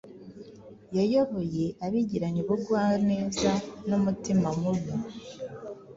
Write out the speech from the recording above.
Yayoboye abigiranye ubugwanezanumutima mubi